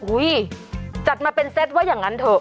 จัดมาเป็นเซตว่าอย่างนั้นเถอะ